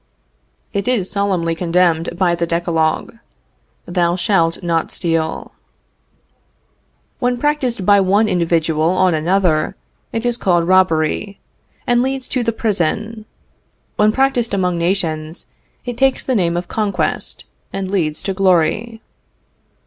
It is solemnly condemned by the Decalogue: Thou shalt not steal. When practiced by one individual on another, it is called robbery, and leads to the prison; when practiced among nations, it takes the name of conquest, and leads to glory.